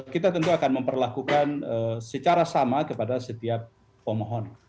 kita tentu akan memperlakukan secara sama kepada setiap pemohon